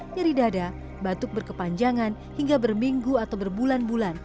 nyeri dada batuk berkepanjangan hingga berminggu atau berbulan bulan